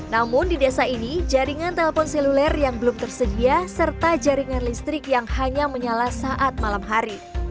namun di desa ini jaringan telepon seluler yang belum tersedia serta jaringan listrik yang hanya menyala saat malam hari